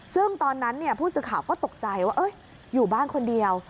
ซึ่งตอนนั้นผู้สื่อข่าวก็ตกใจว่าอยู่บ้านคนเดียว